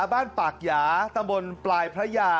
บ้านปากหยาตำบลปลายพระยา